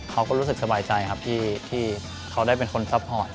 เขาก็รู้สึกสบายใจครับที่เขาได้เป็นคนซัพพอร์ต